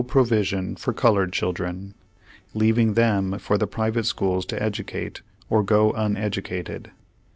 Page Two Hundred one vision for colored children, leaving them for the private schools to educate, or go uneducated.